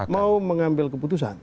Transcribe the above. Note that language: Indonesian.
mau mengambil keputusan